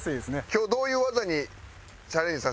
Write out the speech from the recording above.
今日どういう技にチャレンジさせていただける？